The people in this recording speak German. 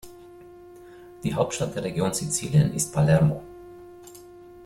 Die Hauptstadt der Region Sizilien ist Palermo.